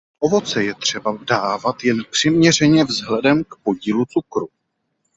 Ovoce je třeba dávat jen přiměřeně vzhledem k podílu cukru.